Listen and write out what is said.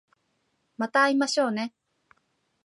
また会いましょうね